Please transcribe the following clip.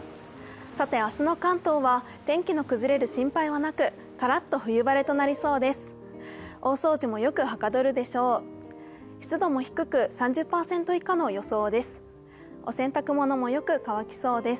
さて明日の関東は、天気の崩れる心配はなく、からっと冬晴れとなりそうです。